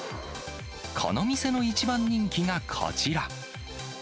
この店の一番人気がこちら。